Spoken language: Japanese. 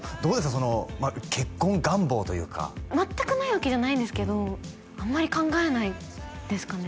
その結婚願望というか全くないわけじゃないんですけどあまり考えないですかね